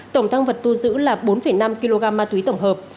tổng tăng vật thu giữ là bốn năm kg ma túy tổng hợp